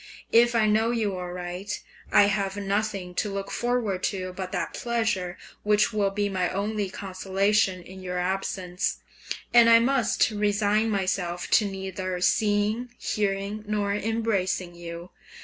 If I know you aright, I have nothing to look forward to but that pleasure which will be my only consolation in your absence, and I must resign myself to neither seeing, hearing, nor embracing you.